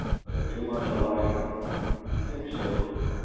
They're too much alike." "Do you think so?